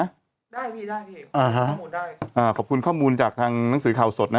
ได้พี่ได้พี่ขอบคุณได้ขอบคุณข้อมูลจากทางนังสือข่าวสดนะครับ